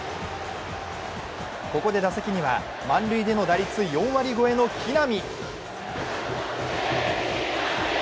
ここで打席には満塁での打率４割超えの木浪。